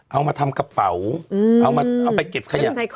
เอามาทำกระเป๋าเอาไปเก็บขยะ